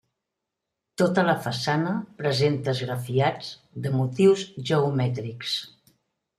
Tota la façana presenta esgrafiats de motius geomètrics.